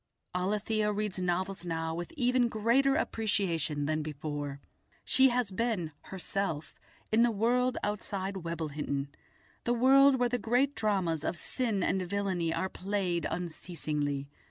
Alethia reads novels now with even greater appreciation than before. She has been herself in the world outside Webblehinton, the world where the great dramas of sin and villainy are played unceasingly.